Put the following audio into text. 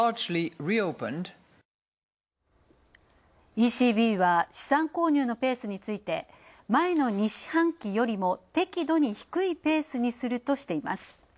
ＥＣＢは資産購入のペースについて前の２四半期よりも適度に低いペースにすると述べています。